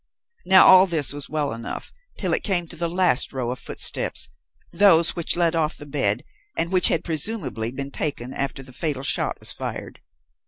Now all this was well enough till it came to the last row of footsteps, those which led off the bed, and which had presumably been taken after the fatal shot was fired.